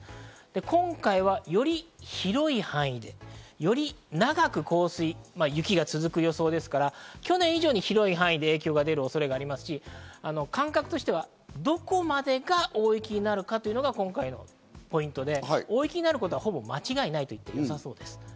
今回はより広い範囲で、より長く雪が続く予想ですから、去年以上に広い範囲で影響が出る恐れがありますし、感覚としてはどこまでが大雪になるかというのが今回のポイントで、大雪になることはほぼ間違いない。